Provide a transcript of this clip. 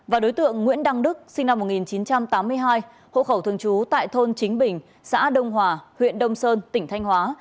và đối tượng nguyễn đăng đức sinh năm một nghìn chín trăm tám mươi hai hộ khẩu thường trú tại thôn chính bình xã đông hòa huyện đông sơn tỉnh thanh hóa